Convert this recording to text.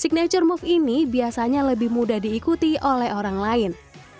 signature move ini biasanya lebih mudah diikuti oleh orang lain